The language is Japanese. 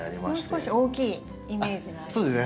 もう少し大きいイメージがあります。